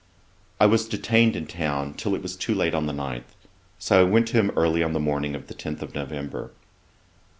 I was detained in town till it was too late on the ninth, so went to him early on the morning of the tenth of November.